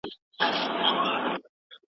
زه شاید سبا یو نوی کوډ پیل کړم.